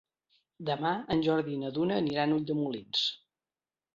Demà en Jordi i na Duna aniran a Ulldemolins.